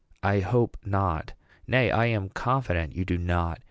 I hope not; nay, I am confident you do not.